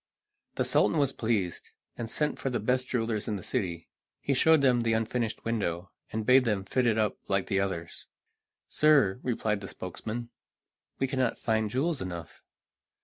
The Sultan was pleased, and sent for the best jewelers in the city. He showed them the unfinished window, and bade them fit it up like the others. "Sir," replied their spokesman, "we cannot find jewels enough."